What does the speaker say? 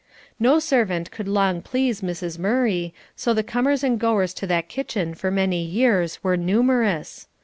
No servant could long please Mrs. Murray, so the comers and goers to that kitchen for many years were numerous.